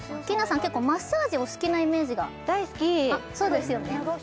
結構マッサージお好きなイメージが大好きこれ長押し？